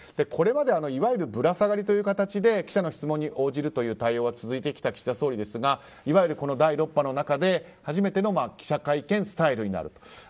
これまでいわゆるぶら下がりという形で記者の質問に応じるという対応が続いてきた岸田総理ですがいわゆる第６波の中で初めての記者会見スタイルになる。